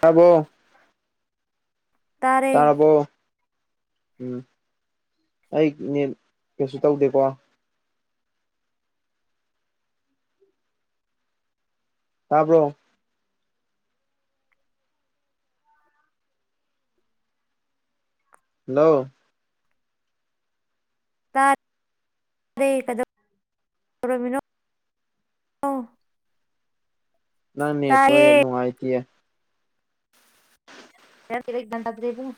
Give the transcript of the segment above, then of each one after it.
ꯊꯕꯣ ꯇꯥꯔꯦ ꯇꯥꯔꯕꯣ ꯎꯝ ꯑꯩꯅꯦ ꯀꯩꯁꯨ ꯇꯧꯗꯦꯀꯣ꯫ ꯇꯥꯕ꯭ꯔꯣ ꯍꯜꯂꯣ ꯇ ꯀꯗꯧ ꯇꯧꯔꯝꯃꯤꯅꯣ [inaudible] ꯅꯪꯅꯦꯠꯇꯣ ꯇꯥꯏꯌꯦ ꯅꯨꯡꯉꯥꯏꯇꯌꯦ꯫ ꯌꯥꯦꯛ ꯟꯗ꯭ꯔꯔꯤꯕꯨ [inaudible]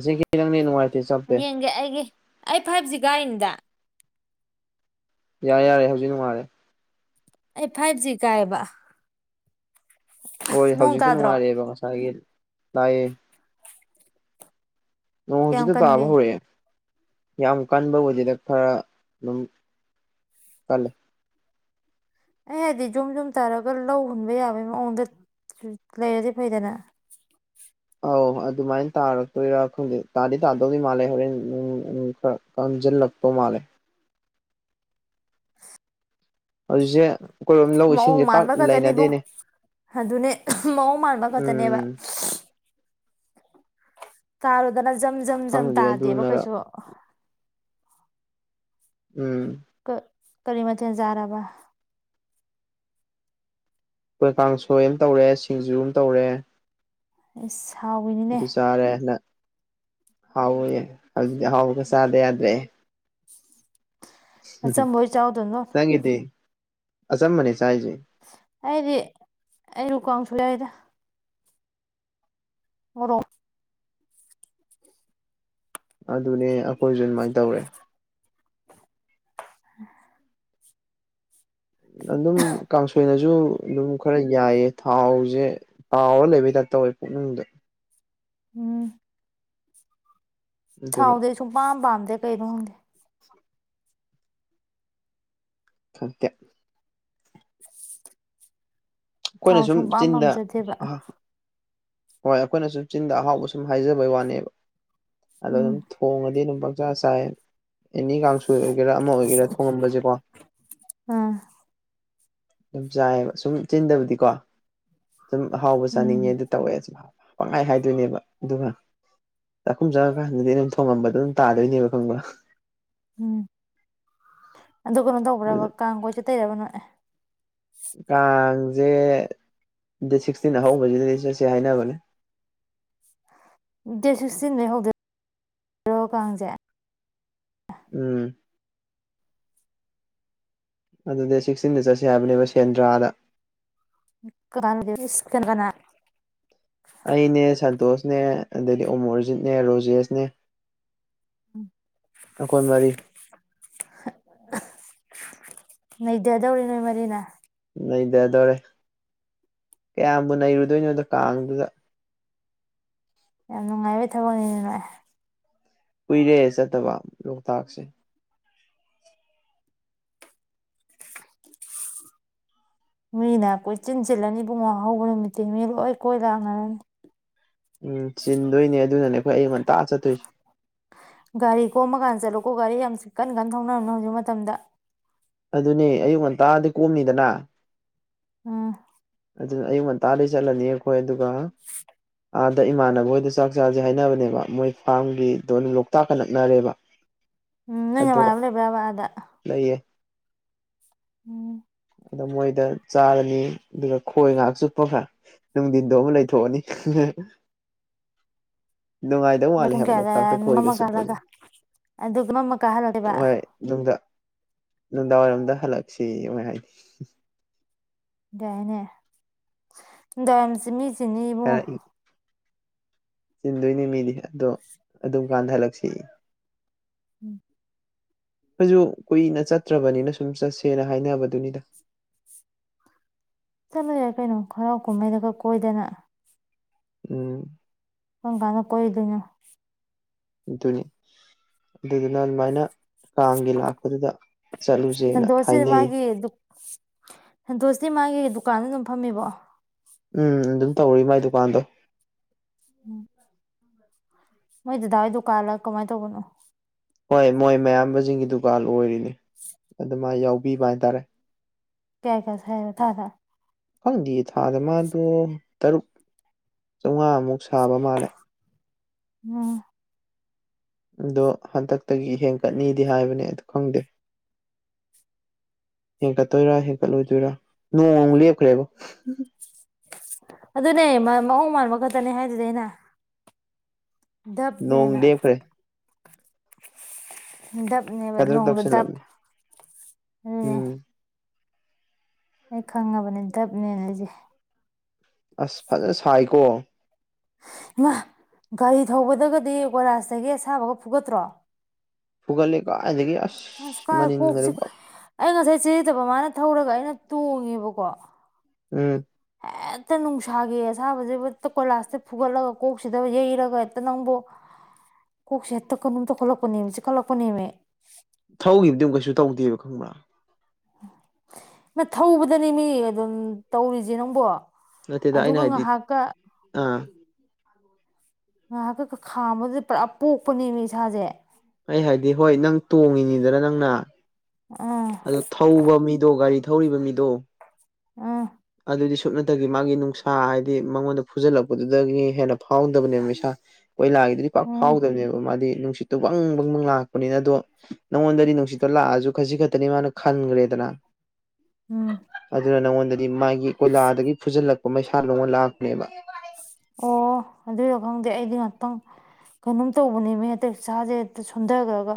ꯁꯤꯒꯤ꯫ ꯍ ꯅꯪꯅꯦ ꯅꯨꯡꯉꯥꯏꯇꯦ ꯆꯞ ꯌꯦꯡꯒꯦ ꯑꯩꯒꯤ ꯑꯩ ꯐꯥꯏꯚ ꯖꯤ ꯀꯥꯔꯤꯅꯤꯗ ꯌꯥꯔꯦ ꯌꯥꯔꯦ ꯍꯧꯖꯤꯛ ꯅꯨꯡꯉꯥꯏꯔꯦ꯫ ꯑꯩ ꯐꯥꯏꯚ ꯖꯤ ꯀꯥꯏꯑꯕ ꯍꯣꯏ ꯍꯧꯖꯤꯛꯇꯤ ꯇꯥꯗ꯭ꯔꯣ ꯅꯨꯡꯉꯥꯏꯔꯛꯑꯦꯕ ꯉꯁꯥꯏꯒꯤ ꯂꯥꯛꯑꯦ ꯅꯣꯡ ꯀꯌꯥꯝ ꯍꯧꯖꯤꯗ ꯇꯥꯕ ꯀꯟꯒꯦ ꯍꯧꯔꯦ ꯌꯥꯝ ꯀꯟꯕ ꯍꯧꯖꯤꯗ ꯈꯔ ꯑꯗꯨꯝ ꯀꯜꯂꯦ ꯑꯩ ꯍꯥꯏꯗꯤ ꯖꯨꯝ ꯖꯨꯝ ꯇꯥꯔꯒ ꯂꯧ ꯍꯨꯟꯕ ꯌꯥꯕꯒꯤ ꯃꯑꯣꯡꯗ ꯂꯩꯔꯗꯤ ꯐꯩꯗꯅ ꯑꯧ ꯑꯗꯨꯃꯥꯏꯅ ꯇꯥꯔꯛꯇꯣꯏꯔꯥ ꯈꯗ ꯇꯥꯗꯤ ꯇꯥꯗꯦ ꯃꯥꯜꯂꯦ ꯍꯣꯔꯦꯟ ꯅꯨꯃꯤꯠ ꯈꯔ ꯀꯟꯖꯤꯜ ꯂꯛꯄꯥ ꯃꯥꯂꯦ ꯍꯧꯖꯤꯛꯁꯦ ꯀꯣꯏꯔꯣ ꯂꯧ ꯃꯑꯣꯡ ꯏꯁꯤꯡꯁꯦ ꯄꯥꯛ ꯃꯥꯟꯕ ꯈꯛꯇꯅꯤ ꯂꯩꯅꯗꯦꯅꯦ ꯏꯕꯨꯡꯉꯣ ꯑꯗꯨꯅꯦ ꯃꯑꯣꯡ ꯃꯥꯟꯕ ꯈꯛꯇꯅꯦꯕ ꯎꯝ ꯇꯥꯔꯨꯗꯅ ꯖꯝ ꯖꯝ ꯖꯝ ꯈꯪꯗꯦ ꯇꯥꯗꯦꯕ ꯑꯗꯨꯅꯔ ꯀꯩꯁꯨ ꯎꯝ ꯀ ꯀꯔꯤ ꯃꯊꯦꯜ ꯆꯥꯔꯥꯕ ꯑꯩꯈꯣꯏ ꯀꯥꯡꯁꯣꯏ ꯑꯃ ꯇꯧꯔꯦ ꯁꯤꯡꯖꯨ ꯑꯃ ꯇꯧꯔꯦ ꯁꯥꯎꯋꯅ ꯑꯗꯨ ꯆꯥꯔꯦ ꯍꯥꯎꯋꯌꯦ ꯍꯧꯖꯤꯛꯇꯤ ꯍꯥꯎꯕꯒ ꯆꯥꯗ ꯌꯥꯗ꯭ꯔꯦ ꯑꯆꯝꯕ ꯑꯣꯏ ꯆꯥꯎꯗꯣꯏꯅꯣ ꯅꯪꯒꯤꯗꯤ ꯑꯆꯝꯕꯅꯦ ꯆꯥꯏꯖꯦ ꯑꯩꯗꯤ ꯑꯩ ꯂꯨꯀꯁꯨ ꯌꯥꯎꯏꯗ ꯃꯣꯔꯣꯛ ꯑꯗꯨꯅꯦ ꯑꯩꯈꯣꯏꯁꯨ ꯑꯗꯨꯃꯥꯏꯅ ꯇꯧꯔꯦ [inaudible] ꯑꯗꯨꯝ ꯀꯥꯡꯁꯣꯏꯅꯁꯨ ꯑꯗꯨꯝ ꯈꯔ ꯌꯥꯏꯌꯦ ꯊꯥꯎꯁꯦ ꯇꯥꯎꯔꯥ ꯂꯩꯕꯩ ꯇ ꯇꯧꯋꯦ ꯄꯨꯅꯤꯡꯗ ꯎꯝ ꯑꯗꯨꯅ ꯊꯥꯎꯗꯤ ꯑꯩ ꯁꯨꯡꯄꯥꯝ ꯄꯥꯝꯗꯦ ꯀꯩꯅꯣ ꯈꯪꯗꯦ ꯊꯣꯛꯇꯦ ꯑꯩꯈꯣꯏꯅ ꯊꯥꯎ ꯁꯨꯝ ꯄꯥꯝ ꯆꯤꯟꯗ ꯄꯥꯝꯖꯗꯦꯕ ꯍꯣꯏ ꯑꯩꯈꯣꯏꯅꯁꯨꯨꯝ ꯆꯤꯟꯗ ꯑꯍꯥꯎꯕ ꯁꯨꯝ ꯍꯥꯏꯖꯕꯩ ꯋꯥꯅꯦꯕ ꯑꯗꯣ ꯎꯝ ꯑꯗꯨꯝ ꯊꯣꯡꯉꯗꯤ ꯑꯗꯨꯝ ꯆꯆꯥ ꯆꯥꯏ ꯑꯦꯅꯤ ꯀꯥꯡꯁꯣꯏ ꯑꯣꯏꯒꯦꯔꯥ ꯑꯃ ꯑꯣꯏꯒꯦꯔꯥ ꯊꯣꯡꯉꯝꯕꯁꯦꯀꯣ ꯑꯝ ꯑꯗꯨꯝ ꯆꯥꯏꯌꯦꯕ ꯁꯨꯝ ꯆꯤꯟꯗꯕꯗꯤꯀꯣ ꯁꯨꯝ ꯑꯍꯥꯎꯕ ꯆꯥꯅꯤꯡꯉꯦ ꯎꯝ ꯑꯗꯨ ꯇꯧꯋꯦ ꯄꯪꯈꯥꯏ ꯍꯥꯏꯗꯣꯏꯅꯦꯕ ꯑꯗꯨꯒ ꯆꯥꯛꯈꯨꯝ ꯆꯪꯉꯀꯥꯟꯗꯗꯤ ꯑꯗꯨꯝ ꯊꯣꯡꯉꯝꯕꯗꯣ ꯑꯗꯨꯝ ꯇꯥꯗꯣꯏꯅꯦꯕ ꯈꯪꯕ ꯎꯝ ꯑꯗꯨ ꯀꯩꯅꯣ ꯇꯧꯕ꯭ꯔꯕ ꯑꯗꯨꯅ ꯀꯥꯡ ꯀꯣꯏ ꯆ ꯇꯩꯔꯕꯅꯣ ꯑꯦ ꯀꯥꯡꯁꯦ ꯗꯦꯠ ꯁꯤꯛꯁꯇꯤꯟ ꯑꯍꯧꯕꯁꯤꯗꯗꯤ ꯆꯠꯁꯦ ꯍꯥꯏꯅꯕꯅꯦ ꯗꯦꯠ ꯁꯤꯛꯁꯇꯤꯟꯗꯒꯩ ꯍꯧꯗꯏꯔꯣ ꯀꯥꯡꯁꯦ ꯎꯝ ꯑꯗꯨꯗꯤ ꯁꯤꯛꯁꯇꯤꯟꯗ ꯆꯠꯁꯦ ꯍꯥꯏꯕꯅꯦꯕ ꯁꯦꯟꯗ꯭ꯔꯥꯗ ꯀꯃꯥꯡ ꯁꯤꯀꯟꯒ [inaudible] ꯑꯩꯅꯦ ꯁꯟꯇꯣꯁꯅꯦ ꯑꯗꯩꯗꯤ ꯑꯣꯃꯣꯔꯖꯤꯠꯅꯦ ꯔꯣꯖꯦꯁꯅꯦ ꯑꯈꯣꯏ ꯃꯔꯤ ꯅꯩꯖꯗꯧꯔꯤ ꯅꯣꯏ ꯃꯔꯤꯅ ꯅꯩꯗꯗꯧꯔꯦ ꯀꯌꯥꯝꯕꯨ ꯅꯩꯔꯨꯗꯣꯏꯅꯣꯗꯣ ꯀꯥꯡꯗꯨꯗ ꯌꯥꯝ ꯅꯨꯡꯉꯥꯏꯕꯩ ꯊꯕꯛꯅꯤꯅ ꯑꯦ ꯀꯨꯏꯔꯦ ꯆꯠꯇꯕ ꯂꯣꯛꯇꯥꯛꯁꯦ ꯃꯤꯅ ꯀꯣꯏꯆꯤꯟꯁꯤꯜꯂꯅꯤ ꯄꯕꯨꯡꯉ ꯍꯧꯕ ꯅꯨꯃꯤꯠꯇꯤ ꯃꯤ ꯂꯣꯏ ꯀꯣꯏ ꯂꯥꯡꯅꯔꯅꯤ ꯎꯝ ꯆꯤꯟꯗꯣꯏꯅꯦ ꯑꯗꯨꯅꯅꯦꯈꯣꯏ ꯑꯩꯉꯣꯟ ꯇꯥꯛꯑ ꯆꯠꯇꯣꯏꯁꯦ ꯒꯥꯔꯤ ꯀꯣꯝꯃꯀꯥꯟꯗ ꯆꯠꯂꯨꯀꯣ ꯒꯥꯔꯤ ꯌꯥꯝ ꯀꯟꯅ ꯀꯟꯅ ꯊꯧꯅꯔꯕꯝꯅꯣ ꯍꯧꯖꯤꯛ ꯃꯇꯝꯗ ꯑꯗꯨꯅꯦ ꯑꯌꯨꯛ ꯉꯟꯇꯥꯗꯤ ꯀꯣꯝꯅꯤꯗꯅ ꯎꯝ ꯑꯗꯨ ꯑꯌꯨꯛ ꯉꯟꯇꯥꯗ ꯆꯠꯂꯅꯤ ꯑꯩꯈꯣꯏ ꯑꯗꯨꯒ ꯑꯥꯗ ꯏꯃꯥꯟꯅꯕ ꯍꯣꯏꯗ ꯆꯥꯛ ꯆꯥꯁꯦ ꯍꯥꯏꯅꯕꯅꯦꯕ ꯃꯣꯏ ꯐꯥꯝꯒꯤꯗꯣ ꯑꯗꯨꯝ ꯂꯣꯛꯇꯥꯛꯀ ꯅꯛꯅꯔꯦꯕ [inaudible] ꯅꯪ ꯑꯗꯣ ꯅꯃꯥꯟꯅꯕ ꯂꯩꯕ꯭ꯔꯕ ꯑꯗ ꯂꯩꯌꯦ ꯎꯝ ꯑꯗ ꯃꯣꯏꯗ ꯆꯥꯔꯅꯤ ꯑꯗꯨꯒ ꯈꯣꯏ ꯉꯥꯏꯍꯥꯛ ꯆꯨꯞꯄ ꯈꯔ ꯅꯨꯡꯊꯤꯟꯗꯣ ꯑꯃꯨ ꯂꯩꯊꯣꯛꯑꯅꯤ ꯅꯨꯡꯉꯥꯏꯗꯧ ꯅꯣꯏ ꯃꯥꯜꯂꯦ ꯄꯨꯡ ꯍꯥꯏꯕ ꯀꯌꯥꯗ ꯂꯣꯛꯇꯥꯛꯇ ꯀꯣꯏꯒꯁꯨ ꯃꯝꯃꯀꯥꯟ ꯍꯜꯂꯒ ꯐꯖꯩ ꯑꯗꯨꯒ ꯃꯥꯝ ꯃꯀꯟꯗ ꯍꯜꯂꯛꯀꯦꯕ ꯅꯨꯡꯗꯥ ꯅꯨꯡꯗꯥꯡꯋꯥꯏꯔꯝꯗ ꯍꯜꯂꯛꯁꯤ ꯑꯃ ꯍꯥꯏꯅꯤ ꯌꯥꯏꯅꯦ ꯅꯨꯡꯗꯥꯡꯔꯝꯁꯤ ꯃꯤ ꯆꯤꯟꯅꯤ ꯍꯥꯏꯔꯛꯏ ꯏꯕꯨꯡꯉꯣ ꯆꯤꯟꯗꯣꯏꯅꯦ ꯃꯤꯗꯤ ꯑꯗꯣ ꯑꯗꯨꯝ ꯀꯥꯟꯊ ꯍꯜꯂꯛꯁꯤ ꯎꯝ [inaudible] ꯑꯩꯈꯣꯏꯁꯨ ꯀꯨꯏꯅ ꯆꯠꯇ꯭ꯔꯕꯅꯤꯅ ꯁꯨꯝ ꯆꯠꯁꯦꯅ ꯍꯥꯏꯅꯕꯗꯨꯅꯤꯗ ꯆꯠꯂꯨꯨꯔꯦ ꯀꯩꯅꯣ ꯍꯔꯥꯎ ꯀꯨꯝꯍꯩꯗꯒ ꯀꯣꯏꯗꯅ ꯎꯝ ꯀꯔꯝ ꯀꯥꯟꯅ ꯀꯣꯏꯗꯣꯏꯅꯣ ꯑꯗꯨꯅꯤ ꯑꯗꯨꯗꯨꯅ ꯑꯗꯨꯃꯥꯏꯅ ꯀꯥꯡꯒꯤ ꯂꯥꯛꯄꯗꯨꯗ ꯆꯠꯂꯨꯁꯦꯅ ꯍꯥꯏꯅꯩꯌꯦ ꯗꯨ [unintelligible] ꯁꯟꯗꯣꯁꯇ ꯃꯥꯒꯤ ꯗꯨꯀꯥꯟꯗ ꯑꯗꯨꯝ ꯐꯝꯃꯤꯕꯣ ꯎꯝ ꯑꯗꯨꯝ ꯇꯧꯔꯔꯤ ꯃꯥꯏ ꯗꯨꯀꯥꯟꯗꯣ ꯎꯝ ꯎꯝ ꯃꯣꯏ ꯗꯥꯋꯥꯏ ꯗꯨꯀꯥꯂ ꯀꯃꯥꯏꯅ ꯇꯧꯕꯅꯣ ꯍꯣꯏ ꯃꯣꯏ ꯃꯌꯥꯝꯕꯁꯤꯡꯒꯤ ꯗꯨꯀꯥꯟ ꯑꯣꯏꯔꯤꯅꯤ ꯑꯗꯨꯃꯥꯏ ꯌꯥꯎꯕꯤꯕ ꯍꯥꯏꯇꯥꯔꯦ ꯀꯌꯥ ꯀꯌꯥ ꯁꯥꯏꯕ ꯊꯥꯗ ꯈꯪꯗꯦ ꯊꯥꯗ ꯃꯥꯗꯣ ꯇꯔꯨꯛ ꯆꯥꯝꯃꯉꯥꯃꯨꯛ ꯁꯥꯕ ꯃꯥꯜꯂꯦ ꯎꯝ ꯑꯗꯣ ꯍꯟꯗꯛꯇꯒꯤ ꯍꯦꯟꯀꯠꯅꯤꯗꯤ ꯍꯥꯏꯕꯅꯦ ꯑ ꯈꯪꯗꯦ ꯍꯦꯟꯀꯠꯇꯣꯏꯔꯥ ꯍꯦꯟꯀꯠꯂꯣꯏꯗꯣꯏꯔ ꯅꯣꯡ ꯂꯦꯞꯈ꯭ꯔꯦꯕ ꯑꯗꯨꯅꯦ ꯃꯑꯣꯡ ꯃꯥꯟꯕ ꯈꯛꯇꯅꯦ ꯍꯥꯏꯗꯨꯗꯤ ꯑꯩꯅ ꯅꯣꯡ ꯗꯕꯅꯦꯅ ꯂꯦꯞꯈ꯭ꯔꯦ ꯀꯗ꯭ꯔꯛ ꯗꯞꯅꯦꯗ ꯗꯞ ꯇꯧꯁꯜꯂꯝꯃꯦ ꯎ ꯎꯝ ꯑꯩ ꯈꯪꯉꯕꯅꯤ ꯗꯞꯅꯦꯅꯥꯂꯤꯁꯦ ꯑꯁ ꯐꯖꯅ ꯁꯥꯏꯀꯣ ꯏꯃꯥ ꯒꯥꯔꯤ ꯊꯧꯕꯗꯒꯗꯤ ꯀꯣꯏꯂꯥꯁꯇꯒꯤ ꯑꯁꯥꯕꯒ ꯐꯨꯒꯠꯇ꯭ꯔꯣ ꯐꯨꯒꯠꯂꯦ ꯑꯗꯒꯤ ꯑ ꯀꯥꯏ ꯀꯣꯛꯁꯤ ꯑꯩ ꯉꯁꯥꯏ ꯆꯦꯗꯕ ꯃꯥꯅ ꯊꯧꯔꯒ ꯑꯩꯅ ꯇꯣꯡꯉꯦꯕꯀꯣ ꯎꯝ ꯍꯦꯛꯇ ꯅꯨꯡꯁꯥꯒꯤ ꯑꯁꯥꯕꯁꯤꯕꯨ ꯇ ꯀꯣꯏꯂꯥꯁꯇ ꯐꯨꯒꯠꯂꯒ ꯀꯣꯛꯁꯤꯗ ꯌꯩꯔꯒ ꯍꯦꯛꯇ ꯅꯪꯕꯨ [inaudible] ꯀꯣꯛꯁꯦ ꯍꯦꯛꯇ ꯀꯩꯅꯣꯝ ꯇꯧꯈꯠꯂꯛꯄꯅꯦꯃꯤ ꯆꯤꯈꯠꯂꯛꯄꯅꯦꯃꯤ ꯊꯧꯈꯤꯕꯗꯃꯨꯛ ꯀꯩꯁꯨ ꯇꯧꯗꯦꯕ ꯈꯪꯕ꯭ꯔꯥ ꯃꯥ ꯊꯧꯕꯗꯅꯦꯃꯤ ꯑꯗꯨꯝ ꯇꯧꯔꯤꯁꯦ ꯅꯪꯕꯣ ꯅꯠꯇꯦꯗ ꯑꯩꯅ ꯑꯗꯨꯒ ꯍꯥꯏꯗꯤ ꯉꯥꯏꯍꯥꯛꯀ ꯑꯥ ꯉꯥꯏꯍꯥꯛꯀꯀꯥ ꯈꯥꯝꯕꯗꯨꯗꯥ ꯄꯨꯔꯥ ꯄꯣꯛꯄꯅꯦꯃꯦ ꯏꯁꯥꯁꯦ ꯑꯩ ꯍꯥꯏꯗꯤ ꯍꯣꯏ ꯅꯪ ꯇꯣꯡꯉꯤꯅꯤꯗꯅ ꯅꯪꯅ ꯑ ꯑꯗꯣ ꯊꯧꯕ ꯃꯤꯗꯣ ꯒꯥꯔꯤ ꯊꯧꯔꯤꯕ ꯃꯤꯗꯣ ꯎꯝ ꯑꯗꯨꯗꯤ ꯁꯨꯞꯅꯇꯒꯤ ꯃꯥꯒꯤ ꯅꯨꯡꯁꯥ ꯍꯥꯏꯗꯤ ꯃꯉꯣꯟꯗ ꯐꯨꯖꯜꯂꯛꯄꯗꯨꯗꯒꯤ ꯍꯦꯟꯅ ꯐꯥꯎꯗꯕꯅꯦꯕ ꯃꯩꯁꯥ ꯀꯣꯏꯂꯥꯒꯤꯗꯨꯗꯤ ꯄꯥꯛ ꯎꯝ ꯐꯥꯎꯗꯕꯅꯦꯕ ꯃꯥꯗꯤ ꯅꯨꯡꯁꯤꯠꯇꯣ ꯕꯪ ꯕꯪꯕꯪ ꯂꯥꯛꯄꯅꯤꯅ ꯑꯗꯣ ꯅꯪꯉꯣꯟꯗꯗꯤ ꯅꯨꯡꯁꯤꯠꯇꯣ ꯂꯥꯛꯑꯁꯨ ꯈꯖꯤꯈꯛꯇꯅꯤ ꯃꯥꯅ ꯈꯟꯈ꯭ꯔꯦꯗꯅ ꯎꯝ ꯑꯗꯨꯅ ꯅꯪꯉꯣꯟꯗꯗꯤ ꯃꯥꯒꯤ ꯀꯣꯏꯂꯥꯗꯒꯤ ꯐꯨꯖꯜꯂꯛꯄ ꯃꯩꯁꯥ ꯅꯉꯣꯟ ꯂꯥꯛꯄꯅꯦꯕ ꯑꯣ ꯑꯗꯨꯏꯔꯣ ꯈꯪꯗꯦ ꯑꯩꯗꯤ ꯉꯥꯛꯇꯪ ꯀꯩꯅꯣꯝ ꯇꯧꯕꯅꯦꯃꯦ ꯍꯦꯛꯇ ꯏꯁꯥꯥꯁꯦ ꯁꯣꯟꯊꯈ꯭ꯔꯒ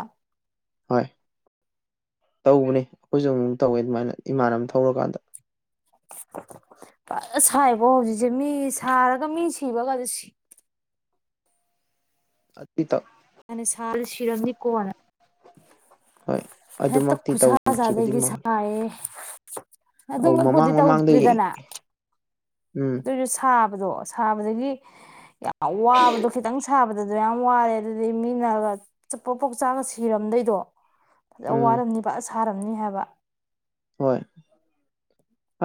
ꯍꯣꯏ ꯇꯧꯕꯅꯦ ꯑꯩꯈꯣꯏꯁꯨ ꯑꯃꯨꯛ ꯃꯨꯛ ꯇꯧꯋꯦ ꯑꯗꯨꯃꯥꯏꯅ ꯏꯃꯥꯟꯅꯕ ꯊꯧꯔꯀꯥꯟꯗ ꯐꯖꯅ ꯁꯥꯏꯕꯣ ꯍꯧꯖꯤꯛꯁꯦ ꯃꯤ ꯁꯥꯔꯒ ꯃꯤ ꯁꯤꯕꯒꯗꯣ ꯁꯤ ꯑꯗꯤ ꯇꯧ ꯃꯥꯅꯤ ꯁꯔꯗꯤ ꯁꯤꯔꯝꯅꯤ ꯀꯣꯟꯅꯥ ꯍꯣꯏ ꯍꯦꯛꯇꯥ ꯑꯗꯨꯃꯛꯇꯤ ꯈꯨꯁꯥ ꯇꯧꯗ꯭ꯔꯤꯕꯗꯤ ꯆꯗꯒꯩ ꯃꯥꯜ ꯁꯔꯦꯍꯦ ꯑꯧ ꯑꯗꯨꯃꯛꯄꯨꯗꯤ ꯃꯃꯥꯡ ꯃꯃꯥꯡꯗꯒꯤ ꯇꯧꯗꯔ꯭ꯤꯗꯅ ꯎꯝ ꯑꯩꯖꯨ ꯁꯥꯕꯗꯣ ꯁꯥꯕꯗꯒꯤ ꯋꯥꯕꯗꯣ ꯈꯤꯇꯪ ꯈꯤꯇꯪ ꯁꯥꯕꯗ ꯑꯗꯨꯌꯥꯝ ꯋꯥꯔꯦ ꯑꯗꯨꯗꯤ ꯃꯤꯅꯒ ꯆꯞꯄꯣ ꯄꯣꯛ ꯆꯥꯒ ꯁꯤꯔꯝꯗꯣꯏꯗꯣ ꯐꯖ ꯎꯝ ꯋꯥꯔꯝꯅꯤꯕ ꯑ ꯁꯥꯔꯝꯅꯤ ꯍꯥꯏꯕ ꯍꯣꯏ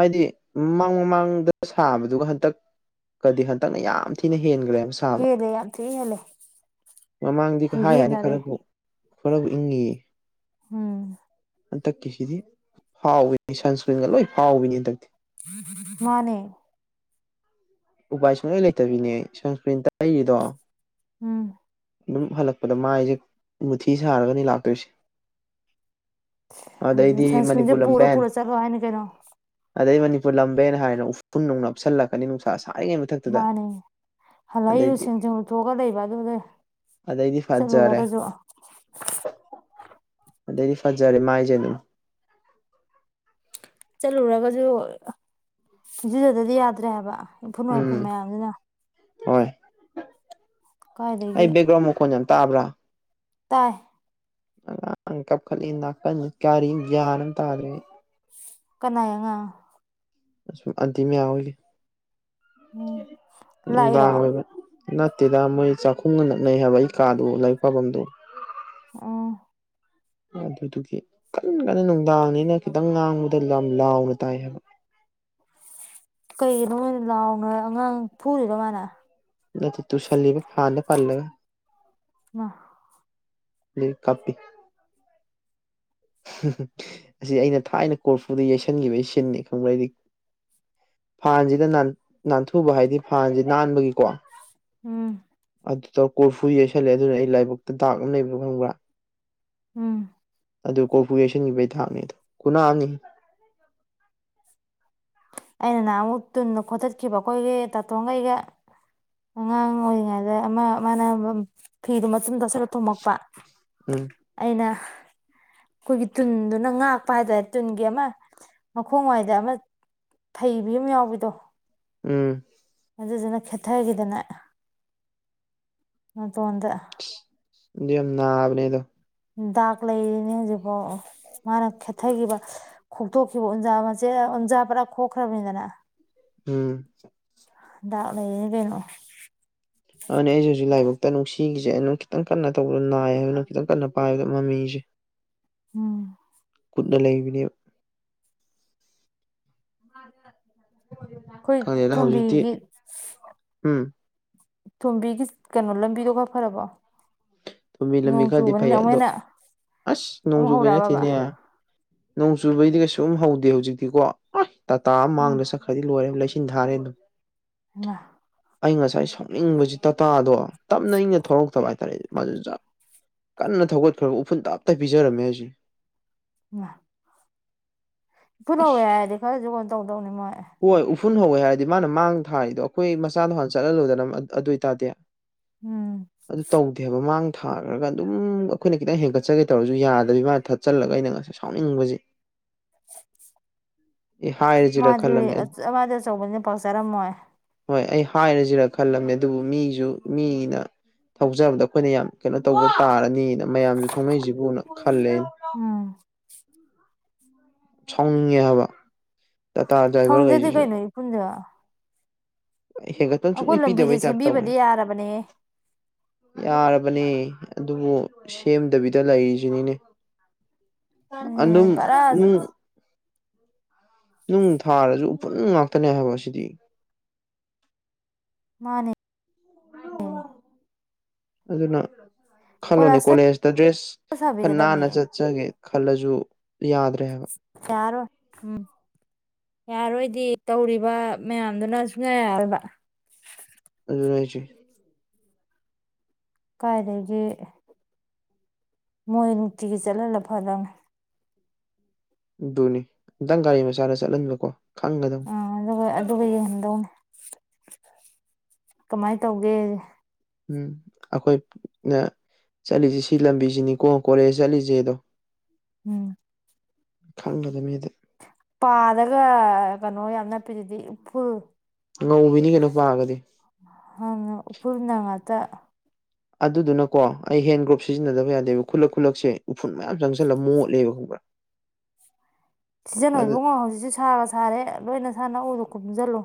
ꯍꯥꯏꯗꯤ ꯃꯃꯥꯡ ꯃꯃꯥꯡꯗ ꯁꯥꯕꯗꯨꯒ ꯍꯟꯇꯛ ꯀꯗꯤ ꯍꯟꯗꯛꯅ ꯌꯥꯝ ꯊꯤꯅ ꯍꯦꯟꯒ꯭ꯔꯦꯕ ꯁꯥꯕ ꯍꯦꯜꯂꯦ ꯌꯥꯝ ꯊꯤ ꯍꯦꯜꯂꯦ ꯃꯃꯥꯡꯗꯤ ꯍꯥꯏ ꯍꯥꯏꯅ ꯈꯨꯍꯦꯟꯖꯥꯠꯅꯦ ꯈꯔꯕꯨ ꯈꯔꯕꯨ ꯏꯪꯉꯤꯌꯦ ꯎꯝ ꯍꯟꯇꯛꯀꯤꯁꯤꯗꯤ ꯐꯥꯎꯈꯤꯅꯤ ꯁꯟꯁꯀ꯭ꯔꯤꯟꯒ ꯂꯣꯏ ꯐꯥꯎꯕꯤꯅꯤ ꯍꯟꯗꯛꯇꯤ ꯃꯥꯅꯦ ꯎꯄꯥꯏ ꯁꯨꯡꯂꯩ ꯂꯩꯇꯕꯤꯅꯦ ꯑꯩ ꯁꯟꯁꯀ꯭ꯔꯤꯟ ꯇꯩꯔꯤꯗꯣ ꯎꯝ ꯑꯗꯨꯝ ꯍꯜꯂꯛꯄꯗ ꯃꯥꯏꯁꯦ ꯃꯨꯊꯤ ꯁꯥꯔꯒꯅꯤ ꯂꯥꯛꯇꯣꯏꯁꯦ ꯑꯗꯩꯗꯤ ꯁꯟꯁꯀ꯭ꯔꯤꯟꯁꯦ ꯃꯅꯤꯄꯨꯔ ꯄꯨꯔ ꯂꯝꯕꯦꯟ ꯄꯨꯔ ꯆꯠꯂꯣ ꯍꯥꯏꯅꯤ ꯀꯩꯅꯣ ꯑꯗꯩ ꯃꯅꯤꯄꯨꯔ ꯂꯝꯕꯦꯅ ꯍꯥꯏꯔꯦꯅ ꯎꯐꯨꯟꯃꯨꯛ ꯅꯞꯁꯜꯂꯛꯀꯅꯤ ꯅꯨꯡꯁꯥ ꯁꯥ ꯃꯥꯅꯦ ꯍꯜꯂꯛꯑ ꯏꯔꯨ ꯑꯗꯩꯗꯤ ꯁꯦꯡ ꯁꯦꯡ ꯂꯨꯊꯣꯛꯑꯒ ꯂꯩꯕ ꯑꯗꯨꯗ ꯑꯗꯩꯗꯤ ꯐꯖꯔꯦ ꯆꯠꯂꯨꯔꯒꯁꯨ ꯑꯗꯩꯗꯤ ꯐꯖꯔꯦ ꯃꯥꯏꯁꯦ ꯑꯗꯨꯝ ꯆꯠꯂꯨꯔꯒꯁꯨ ꯏꯔꯨꯖꯗ꯭ꯔꯗꯤ ꯌꯥꯗ꯭ꯔꯦ ꯍꯥꯏꯕ ꯏꯐꯨꯟ ꯎꯝ ꯋꯥꯏꯐꯨꯟ ꯃꯌꯥꯝꯁꯤꯅ ꯍꯣꯏ ꯑꯩ ꯀꯥꯏꯗꯒꯤ ꯕꯦꯛꯒꯔꯥꯎꯟꯗ ꯝꯈꯣꯟ ꯌꯥꯝ ꯇꯥꯕ꯭ꯔꯥ ꯇꯥꯏ ꯪꯑꯉꯥꯡ ꯃꯨꯛ ꯀꯞꯈꯠꯂꯤ ꯅꯥꯀꯟꯖꯤꯗꯥ ꯀꯔꯤꯅꯣ ꯒꯌ꯭ꯥꯟ ꯑꯝ ꯇꯥꯗ꯭ꯔꯦ ꯑꯩ ꯀꯅꯥꯢ ꯑꯉꯥꯡ ꯑꯁꯨꯝ ꯑꯟꯇꯤ ꯃꯌꯥꯍꯣꯏꯒꯤ ꯎꯝ ꯅꯨꯡꯗꯥꯡ ꯂꯥꯛꯏꯔꯣ ꯑꯣꯏꯕꯩ ꯅꯠꯇꯦꯗ ꯃꯣꯏ ꯆꯥꯛꯈꯨꯝꯒ ꯅꯛꯅꯩ ꯍꯥꯏꯕ ꯑꯩ ꯀꯥꯗꯨ ꯂꯥꯏꯔꯤꯛ ꯄꯥꯐꯝꯗꫭ ꯎꯝ ꯑꯗꯨꯗꯨꯒꯤ ꯀꯟ ꯀꯟꯅ ꯅꯨꯡꯗꯥꯡꯅꯤꯅ ꯈꯤꯇꯪ ꯉꯥꯡꯕꯗ ꯌꯥꯝ ꯂꯥꯎꯅ ꯇꯥꯏ ꯍꯥꯏꯕ ꯀꯩꯅꯣ ꯑꯣꯏꯅ ꯂꯥꯎꯅ ꯑꯉꯥꯡ ꯐꯨꯔꯤꯗ ꯃꯥꯅ ꯅꯠꯇ‌ꯦ ꯇꯨꯁꯜꯂꯤꯅꯤ ꯐꯥꯟꯗ ꯄꯔꯂꯕ ꯃꯥ ꯂꯩ ꯀꯥꯄꯤ ꯑꯁꯤ ꯑꯩꯅ ꯊꯥꯏꯅ ꯀꯣꯔꯐꯨꯗ ꯌꯩꯁꯟꯈꯤꯕꯒꯤ ꯁꯤꯟꯅꯤ ꯈꯪꯕ꯭ꯔ ꯑꯩꯗꯤ ꯐꯥꯟꯁꯤꯗ ꯅꯥꯟꯊꯨꯕ ꯍꯥꯏꯗꯤ ꯐꯥꯟꯁꯤ ꯅꯥꯟꯕꯒꯤꯀꯣ ꯎꯝ ꯑꯗꯨ ꯇꯔ ꯀꯣꯏꯐꯨ ꯌꯩꯁꯜꯂꯦ ꯑꯗꯨꯅ ꯑꯩ ꯂꯥꯏꯕꯛꯇ ꯗꯥꯛꯅ ꯂꯩꯕ ꯈꯪꯕ꯭ꯔꯥ ꯎꯝ ꯑꯗꯨ ꯀꯣꯄꯦꯁꯟꯒꯤꯕꯩ ꯊꯥꯛꯅꯤꯗꯣ ꯈꯨꯅꯥꯝꯅꯤ ꯑꯩꯅ ꯅꯍꯥꯟꯃꯨꯛ ꯇꯨꯗ ꯈꯣꯆꯠꯈꯤꯕ ꯑꯩꯈꯣꯏꯒꯤ ꯇꯥꯇꯣꯡꯒ ꯑꯩꯒ ꯑꯉꯥꯡ ꯑꯣꯏꯔꯤꯉꯩꯗ ꯑꯃ ꯃꯥꯅ ꯐꯤꯗꯨꯣ ꯃꯇꯨꯡꯆꯨꯝ ꯇꯥꯁꯂ ꯊꯣꯃꯛꯄ ꯎ ꯑꯩꯅ ꯑꯩꯈꯣꯏꯒꯤ ꯇꯨꯟꯗꯨꯅ ꯉꯥꯛꯄ ꯍꯥꯏꯇꯥꯔꯦ ꯇꯨꯟꯒꯤ ꯑꯃ ꯃꯈꯣꯡ ꯋꯥꯏꯗ ꯑꯃ ꯐꯩꯕꯤ ꯑꯃ ꯌꯥꯎꯕꯤꯗꯣ ꯎꯝ ꯑꯗꯨꯗꯨꯅ ꯈꯦꯊꯒꯤꯗꯅ ꯅꯥꯇꯟꯗ ꯌꯥꯝ ꯅꯕꯅꯦꯗꯣ ꯗꯥꯛ ꯂꯩꯔꯤꯅꯦ ꯍꯧꯖꯤꯛꯐꯥꯎ ꯃꯥꯅ ꯈꯦꯊꯈꯤꯕ ꯈꯣꯛꯇꯣꯛꯈꯤꯕ ꯎꯟꯖꯥ ꯃꯆꯦ ꯎꯟꯖꯥ ꯄꯨꯔꯥ ꯈꯣꯛꯈ꯭ꯔꯕꯅꯤꯗꯅ ꯎꯝ ꯗꯥ ꯂꯩ ꯌꯦ ꯀꯩꯅꯣ ꯑꯗꯨꯅꯤ ꯑꯩꯁꯦ ꯍꯧꯖꯤꯛ ꯂꯥꯏꯕꯛꯇ ꯅꯨꯡꯁꯤꯒꯤꯁꯦ ꯑꯩ ꯑꯗꯨ ꯈꯤꯇꯪ ꯀꯟꯅ ꯇꯧꯕꯗꯣ ꯅꯥꯏ ꯍꯥꯏꯕꯅ ꯈꯤꯇꯪ ꯀꯟꯅ ꯄꯥꯏꯕꯗꯣ ꯃꯃꯤꯁꯦ ꯎꯝ ꯀꯠꯅ ꯂꯩꯕꯅꯦꯕ ꯑꯩꯈꯣꯏ ꯈꯪꯉꯦꯗ ꯍꯧꯖꯤꯛꯇꯤ ꯊꯣꯝꯕꯤꯒꯤ ꯎꯝ ꯊꯣꯝꯕꯤꯒꯤ ꯀꯩꯅꯣ ꯂꯝꯕꯤꯗꯣ ꯈꯔ ꯐꯔꯕꯣ ꯇꯨꯝ ꯃꯤ ꯂꯝꯕꯤ ꯅꯣꯡ ꯈꯔꯗꯤ ꯐꯩ ꯆꯨꯕꯅꯤꯅ ꯑꯃꯨꯛ ꯑꯗꯣ ꯍꯦꯟꯅ ꯑꯁ ꯑꯃꯨꯛ ꯅꯣꯡꯖꯨꯕꯩ ꯍꯧꯔꯛꯑꯕꯕ ꯅꯠꯇꯦꯅꯦ ꯅꯣꯡ ꯆꯨꯕꯩꯗꯤ ꯀꯩꯁ ꯍꯧꯗꯦ ꯍꯧꯖꯤꯛꯇꯤꯀꯣ ꯇꯥꯇꯥ ꯑꯃ ꯎꯝ ꯃꯥꯡꯗ ꯆꯠꯈ ꯈꯔꯗꯤ ꯂꯣꯏꯔꯦ ꯂꯩꯁꯤꯟ ꯊꯥꯔꯦ ꯑꯗꯨꯝ ꯃꯥ ꯑꯩ ꯉꯁꯥꯏ ꯁꯥꯎꯅꯤꯡꯕꯁꯤ ꯇꯥꯇꯥꯗꯣ ꯇꯞꯅ ꯑꯩꯅ ꯊꯧꯂꯛꯇꯕ ꯍꯥꯏꯇꯥꯔꯦꯗ ꯃꯥꯗꯨ ꯀꯟꯅ ꯊꯧꯒꯠꯈ꯭ꯔꯒ ꯎꯐꯨꯜ ꯇꯥꯞꯇ ꯄꯤꯖꯔꯝꯃꯦ ꯑꯩꯁꯦ ꯋꯥ ꯄꯨꯂꯧꯋꯦ ꯍꯥꯏꯔꯗꯤ ꯈꯔꯁꯨ ꯀꯩꯅꯣꯟ ꯇꯧꯗꯧꯅꯤ ꯃꯣꯏ ꯍꯣꯏ ꯎꯐꯨꯟ ꯍꯧꯋꯦ ꯍꯥꯏꯔꯗꯤ ꯃꯥꯅ ꯃꯥꯡ ꯊꯥꯔꯤꯗꯣ ꯑꯩꯈꯣꯏ ꯃꯆꯥꯗꯍꯥꯟ ꯆꯠꯍꯜꯂꯨꯗꯅ ꯑꯗꯨ ꯑꯣꯏ ꯇꯥꯗꯤ ꯎꯝ ꯑꯗꯨ ꯇꯧꯗꯦꯕ ꯃꯥꯡ ꯊꯥꯈ꯭ꯔꯒ ꯑꯗꯨꯝ ꯑꯩꯈꯣꯏꯅ ꯈꯤꯇꯪ ꯍꯦꯟꯒꯠꯆꯒꯦ ꯇꯧꯔꯁꯨ ꯌꯥꯗꯕꯤ ꯃꯥꯅ ꯊꯠꯆꯜꯂꯒ ꯑꯩꯅ ꯉꯁꯥꯏ ꯁꯥꯎꯅꯤꯡꯕꯁꯦ ꯏ ꯍꯥꯏꯔꯖꯤꯔ ꯗꯤ ꯑꯃꯗꯤ ꯑꯆꯧꯕꯅꯤꯅ ꯄꯥꯛ ꯆꯥꯔꯝꯃꯣꯏ ꯍꯣꯏ ꯑꯩ ꯍꯥꯏꯔꯁꯤꯔ ꯈꯜꯂꯝꯃꯦ ꯑꯗꯨꯕꯨ ꯃꯤꯁꯨ ꯃꯤꯅ ꯊꯧꯖꯕꯗ ꯑꯩꯈꯣꯏꯅ ꯌꯥꯝ ꯀꯩꯅꯣ ꯇꯧꯕ ꯇꯥꯔꯅꯤꯅ ꯃꯌꯥꯝꯁꯨ ꯊꯧꯅꯩꯁꯤꯕꯨꯅ ꯈꯜꯂꯦ ꯑꯩꯅ ꯎꯝ ꯁꯥꯎꯅꯤꯡꯉꯦ ꯍꯥꯏꯕ ꯇꯥꯇꯥ ꯊꫭꯡꯗꯗꯤ ꯗ꯭ꯔꯥꯏꯚꯔꯈꯩꯁꯤꯁꯨ ꯀꯩꯅꫭ ꯏꯐꯨꯟꯗ ꯍꯦꯟꯒꯠꯄꯅ ꯁꯨꯡꯂꯂꯤ ꯂꯝꯕꯤꯁꯦ ꯄꯤꯗꯕꯩꯇꯥꯞ ꯇꯧꯅ ꯁꯦꯝꯕꯤꯕꯗꯤ ꯌꯥꯔꯕꯅꯦ ꯌꯥꯔꯕꯅꯦ ꯑꯗꯨꯕꯨ ꯁꯦꯝꯗꯕꯤꯗ ꯂꯩꯔꯤꯁꯤꯅꯤꯅꯦ ꯑꯗꯨ ꯄꯨꯔꯥ ꯑꯗꯨꯝ ꯎꯝ ꯅꯨꯡ ꯊꯥꯔꯁꯨ ꯎꯐꯨꯟ ꯉꯥꯛꯇꯅꯦ ꯍꯥꯏꯕ ꯁꯤꯗꯤ ꯃꯥꯅꯦ ꯎꯝ ꯑꯗꯨꯅ ꯈꯜꯂꯣꯅꯦ ꯀꯣꯂꯥꯁ ꯀꯣꯂꯦꯖꯇ ꯗ꯭ꯔꯦꯁ ꯈꯔ ꯅꯥꯟꯅ ꯁꯥꯕꯤꯒꯗꯕꯅꯦ ꯆꯠꯆꯒꯦ ꯈꯜꯂꯁꯨ ꯌꯥꯗ꯭ꯔꯦ ꯍꯥꯏꯕ ꯇꯔꯣ ꯎꯝ ꯌꯥꯔꯣꯏꯗꯤ ꯇꯧꯔꯤꯕ ꯃꯌꯥꯝꯗꯨꯅ ꯁꯨꯡꯌꯥ ꯌꯥꯑꯕ ꯑꯗꯨꯨꯔꯥꯏꯁꯤꯦ ꯀꯥꯏꯗꯒꯤ ꯃꯣꯏ ꯅꯨꯡꯇꯤꯒꯤ ꯆꯠꯍꯜꯂ ꯐꯗ ꯑꯗꯨꯅꯤ ꯑꯝꯇꯪ ꯒꯥꯔꯤ ꯃꯆꯥꯗ ꯆꯠꯍꯟꯕꯀꯣ ꯈꯪꯒꯗ ꯑ ꯑꯗꯨꯒ ꯑꯗꯨꯒ ꯌꯦꯡꯍꯟꯗꯧꯅꯦ ꯀꯃꯥꯏꯅ ꯇꯧꯒꯦ ꯎꯝ ꯑꯩꯈꯣꯏ ꯆꯠꯂꯤꯁꯦ ꯁꯤ ꯂꯝꯕꯤꯁꯤꯅꯤꯀꯣ ꯀꯣꯂꯦꯖ ꯆꯠꯂꯤꯁꯦ ꯑꯗꯣ ꯎꯝ ꯈꯪꯕꯗ ꯃꯤꯗ ꯄꯥꯗꯒ ꯀꯩꯅꯣ ꯌꯥꯝ ꯅꯞꯄꯤꯤꯁꯤꯗꯤ ꯎꯐꯨꯜ ꯉꯧꯕꯤꯅꯤ ꯀꯩꯅꯣ ꯄꯥꯒꯗꯤ ꯍꯅ ꯎꯄꯨꯅ ꯉꯥꯛꯇ ꯑꯗꯨꯗꯨꯅꯀꯣ ꯑꯩ ꯍꯦꯟ ꯒ꯭ꯔꯣꯞ ꯁꯤꯖꯤꯟꯅꯗꯕ ꯌꯥꯗꯦꯕ ꯈꯨꯜꯂꯛ ꯈꯨꯠꯂꯛꯁꯦ ꯎꯐꯨꯟ ꯃꯌꯥꯝ ꯆꯪꯁꯜꯂꯒ ꯃꯣꯠꯂꯦꯕ ꯈꯪꯕ꯭ꯔꯥ [inaudible] ꯁꯤꯖꯟꯅ ꯑꯗꯨ ꯑꯣꯏꯕꯨꯡꯉꯣ ꯍꯧꯖꯤꯛꯁꯨ ꯁꯥꯔ ꯁꯥꯔꯦ ꯂꯣꯏꯅ ꯁꯥꯟꯅꯎꯗ ꯀꯨꯝꯁꯤꯜꯂꯨ